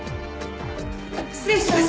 失礼します。